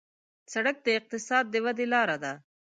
سړک د اقتصاد د ودې لاره ده.